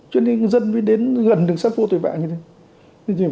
cho nên dân mới đến gần đường sắt vô tuyệt vạng như thế